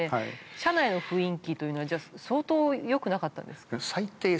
社内の雰囲気というのはじゃあ相当よくなかったんですか？